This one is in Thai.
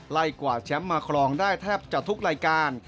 กว่าแชมป์มาครองได้แทบจะทุกรายการ